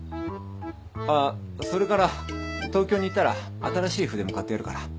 あっそれから東京に行ったら新しい筆も買ってやるから。